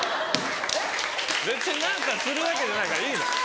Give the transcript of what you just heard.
別に何かするわけじゃないからいい。